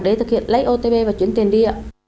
để thực hiện lấy otp và chuyển tiền đi